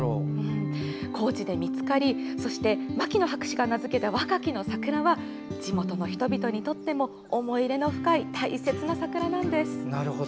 高知で見つかり、そして牧野博士が名付けたワカキノサクラは地元の人々にとっても思い入れの深い大切な桜なのです。